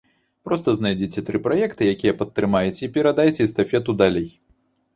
Проста знайдзіце тры праекты, якія падтрымаеце, і перадайце эстафету далей.